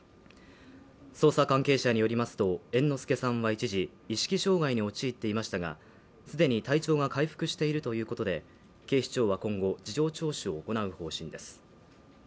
捜査関係者によりますと猿之助さんは一時、意識障害に陥っていましたが、既に体調が回復しているということで警視庁は今後、事情聴取を行う方針です。